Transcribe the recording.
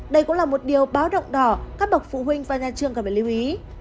theo báo động đỏ các bậc phụ huynh và nhà trường cần phải lưu ý